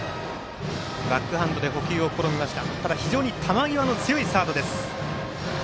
バックハンドで捕球を試みました。